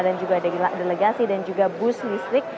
dan juga delegasi dan juga bus listrik